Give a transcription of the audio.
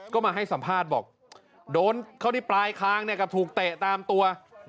ก็มาให้สัมภาษณ์บอกโดนเข้าที่ปลายคางเนี่ยกับถูกเตะตามตัว